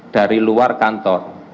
dari luar kantor